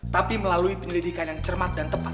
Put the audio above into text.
tapi melalui penyelidikan yang cermat dan tepat